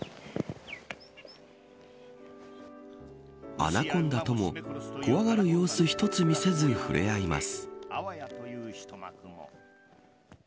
アナコンダとも怖がる様子一つ見せずに触れ合います。